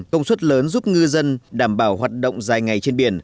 công suất lớn giúp ngư dân đảm bảo hoạt động dài ngày trên biển